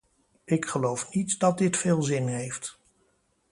Ik geloof niet dat dit veel zin heeft.